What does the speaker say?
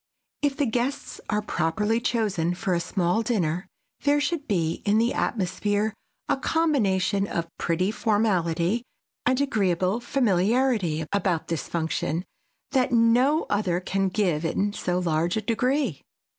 If the guests are properly chosen for a small dinner there should be in the atmosphere a combination of pretty formality and agreeable familiarity about this function that no other can give in so large a degree.